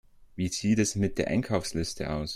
Wie sieht es mit der Einkaufsliste aus?